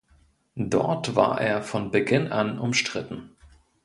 Dort war er von Beginn an umstritten.